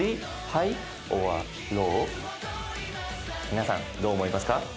皆さんどう思いますか？